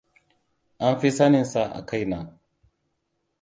An fi saninsa a kai na.